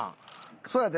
そうやで。